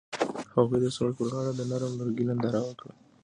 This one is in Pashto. هغوی د سړک پر غاړه د نرم لرګی ننداره وکړه.